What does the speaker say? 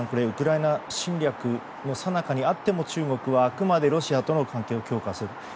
ウクライナ侵略のさなかにあっても、中国はあくまでロシアとの関係を強化する。